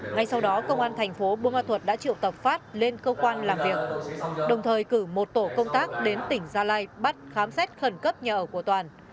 ngay sau đó công an thành phố bô ma thuật đã triệu tập phát lên cơ quan làm việc đồng thời cử một tổ công tác đến tỉnh gia lai bắt khám xét khẩn cấp nhà ở của toàn